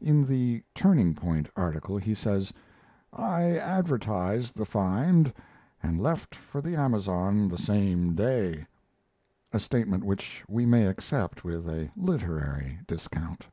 In the "Turning point" article he says: "I advertised the find and left for the Amazon the same day," a statement which we may accept with a literary discount.